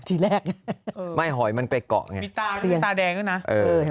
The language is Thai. ทีแรกไงไม่หอยมันไปเกาะไงมีตาสีตาแดงด้วยนะเออ